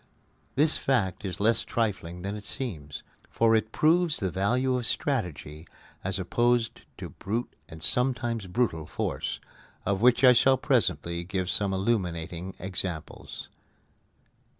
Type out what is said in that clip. This fact is less trifling than it seems; for it proves the value of strategy as opposed to brute and sometimes brutal force, of which I shall presently give some illuminating examples.